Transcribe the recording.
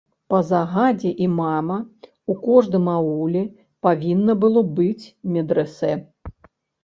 Па загадзе імама ў кожным ауле павінна было быць медрэсэ.